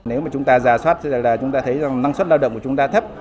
nếu mà chúng ta giả soát rằng là chúng ta thấy rằng năng suất lao động của chúng ta thấp